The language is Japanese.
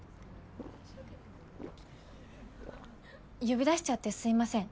呼び出しちゃってすみません。